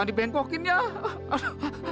kalau dia sudah terbanjir